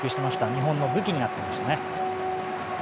日本の武器になっていましたね。